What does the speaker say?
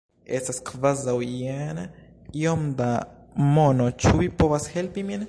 Estas kvazaŭ jen iom da mono ĉu vi povas helpi min?